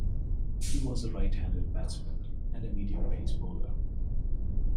He was a right-handed batsman and a medium pace bowler.